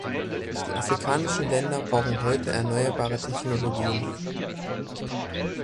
Die afrikanischen Länder brauchen heute erneuerbare Technologien.